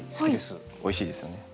おいしいですよね。